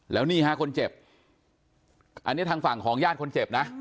แล้วนี่ฮะคนเจ็บอันนี้ทางฝั่งของญาติคนเจ็บนะ